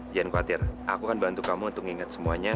jangan khawatir aku akan bantu kamu untuk mengingat semuanya